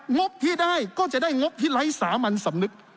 งบที่ได้ก็จะได้งบที่ไร้สามัญสำนึก